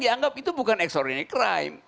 kita anggap itu bukan extraordinary crime